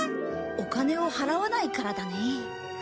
お金を払わないからだね。